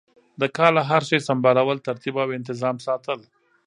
د کاله هر شی سمبالول ترتیب او انتظام ساتل